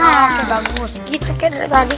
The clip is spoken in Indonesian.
oke bagus gitu kayak ndrek tadi